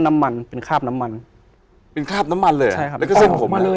น้ำมันเลยอ่ะแล้วก็เส้นผม